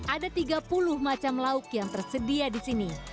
ada tiga puluh macam lauk yang tersedia di sini